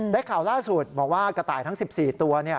ข่าวล่าสุดบอกว่ากระต่ายทั้ง๑๔ตัว